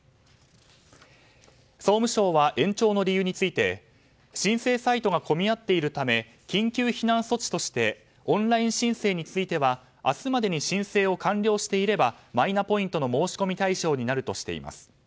総務省は、延長の理由について申請サイトが混み合っているため緊急避難措置としてオンライン申請については明日までに申請を完了していればマイナポイントの申し込み対象になるとしています。